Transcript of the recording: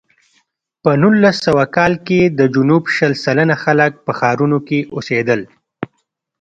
په نولس سوه کال کې د جنوب شل سلنه خلک په ښارونو کې اوسېدل.